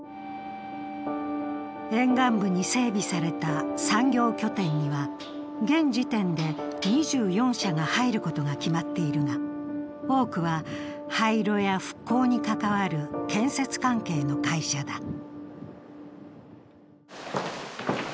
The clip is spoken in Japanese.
沿岸部に整備された産業拠点には、現時点で２４社が入ることが決まっているが多くは廃炉や復興に関わる建設関係の会社だ。